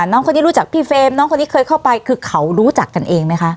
น้องคนนี้รู้จักพี่เฟรมน้องคนนี้เคยเข้าไปคือเขารู้จักกันเองไหมคะ